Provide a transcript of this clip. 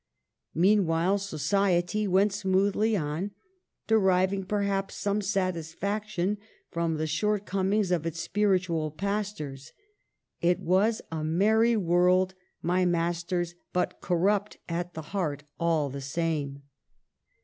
Mean while society went smoothly on; deriving, per haps, some satisfaction from the shortcomings of its spiritual pastors. It was a merry world, my Masters, but corrupt at the heart all the same.